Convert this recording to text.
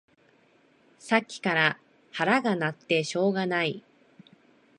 さっきから腹が鳴ってしょうがない